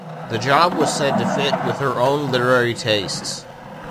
The job was said to fit with her own literary tastes.